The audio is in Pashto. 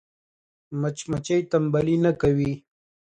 مچمچۍ تنبلي نه کوي